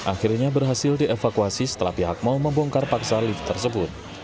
akhirnya berhasil dievakuasi setelah pihak mal membongkar paksa lift tersebut